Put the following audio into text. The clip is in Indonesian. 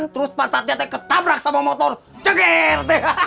terus pantatnya teh ketabrak sama motor cegir